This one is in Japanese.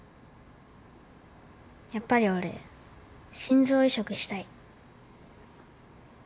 やっぱり俺心臓移植したい。